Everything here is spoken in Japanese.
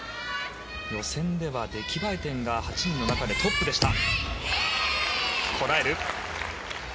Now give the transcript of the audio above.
予選では出来栄え点が８人の中でトップでした。